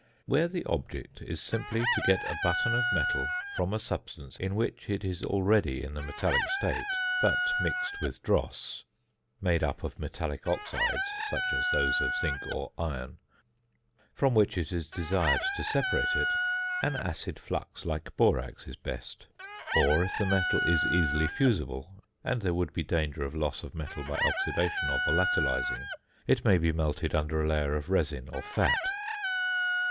Where the object is simply to get a button of metal from a substance in which it is already in the metallic state, but mixed with dross (made up of metallic oxides, such as those of zinc or iron), from which it is desired to separate it, an acid flux like borax is best; or, if the metal is easily fusible, and there would be danger of loss of metal by oxidation or volatilising, it may be melted under a layer of resin or fat.